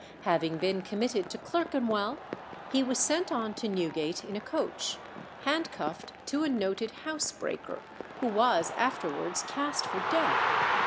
Having been committed to Clerkenwell, he was sent on to Newgate in a coach, handcuffed to a noted house breaker, who was afterwards cast for death.